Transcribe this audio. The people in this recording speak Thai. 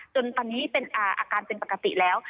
จนตอนนี้เป็นอาการเป็นปกติแล้ว